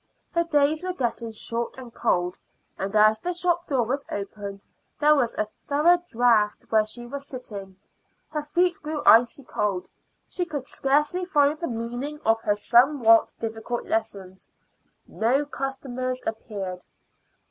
The days were getting short and cold, and as the shop door was opened there was a thorough draught where she was sitting. Her feet grew icy cold; she could scarcely follow the meaning of her somewhat difficult lessons. No customers appeared.